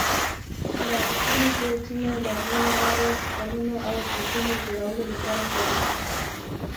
لرګي د ځینو لرغونو لارو، پلونو، او برجونو جوړولو لپاره کارېږي.